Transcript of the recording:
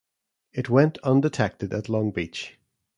It went undetected at Long Beach.